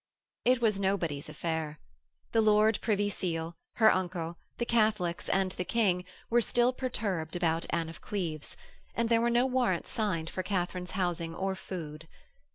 It was nobody's affair. The Lord Privy Seal, her uncle, the Catholics, and the King were still perturbed about Anne of Cleves, and there were no warrants signed for Katharine's housing or food.